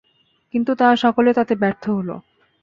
কিন্তু তারা সকলে তাতে ব্যর্থ হলো।